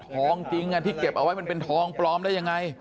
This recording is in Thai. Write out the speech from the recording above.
ทองจริงที่เก็บเอาไว้มันเป็นทองปลอมได้ยังไง